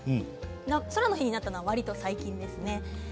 「空の日」になったのはわりと最近ですね。